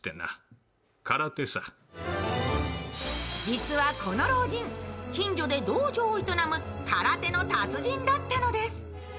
実はこの老人、近所で道場を営む空手の達人だったのです。